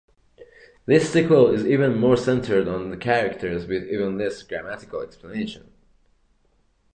This sequel is even more centred on the characters, with even less grammatical explanation.